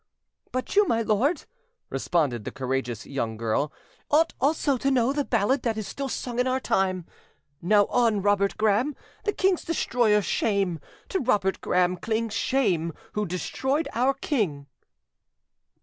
"But you, my lord," responded the courageous young girl, "ought also to know the ballad that is still sung in our time— "'Now, on Robert Gra'am, The king's destroyer, shame! To Robert Graham cling Shame, who destroyed our king.